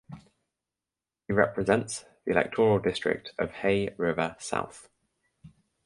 He represents the electoral district of Hay River South.